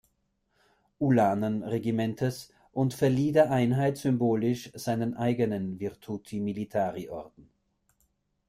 Ulanen-Regimentes und verlieh der Einheit symbolisch seinen eigenen Virtuti-Militari-Orden.